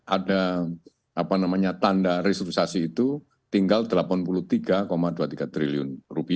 ada tanda restrukturisasi itu tinggal rp delapan puluh tiga dua puluh tiga triliun